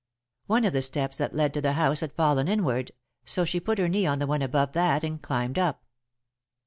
One of the steps that led to the house had fallen inward, so she put her knee on the one above that and climbed up.